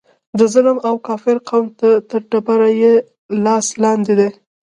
د ظلم او کافر قوم تر ډبره یې لاس لاندې دی.